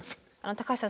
高橋さん